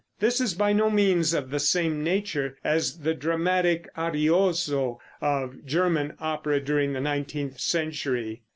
This is by no means of the same nature as the dramatic arioso of German opera during the nineteenth century.